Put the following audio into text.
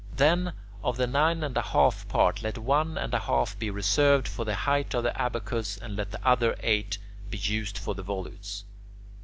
Then, of the nine and a half parts let one and a half be reserved for the height of the abacus, and let the other eight be used for the volutes.